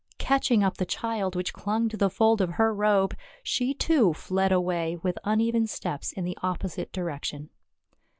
Catching up the child which clung to the fold of her robe, she too fled away with uneven steps in the opposite direction.